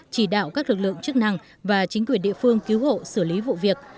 chỉ đạo các lực lượng chức năng và chính quyền địa phương cứu hộ xử lý vụ việc